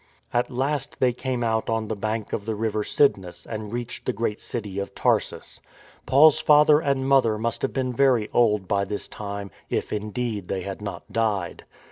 At last they came out on the bank of the River Cydnus and reached the great city of Tarsus. Paul's father and mother must have been very old by this time; if, indeed, they had not died.